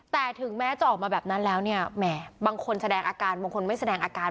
แต่ถึงแม้จะออกมาแบบนั้นแล้วเนี่ยแหมบางคนแสดงอาการบางคนไม่แสดงอาการ